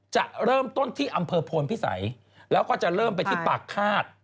จะเริ่มต้นที่อำเภอโพนพิสัยแล้วก็จะเริ่มไปที่ปากฆาต